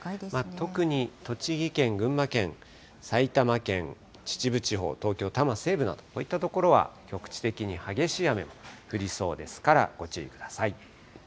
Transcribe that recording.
特に栃木県、群馬県、埼玉県、秩父地方、東京・多摩西部など、こういった所は局地的に激しい雨が降りそうですからご注意ください。